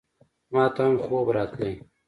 ماته هم خوب راتلی !